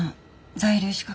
在留資格